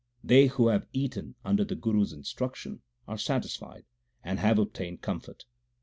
They who have eaten under the Guru s instruction are satisfied, and have obtained comfort.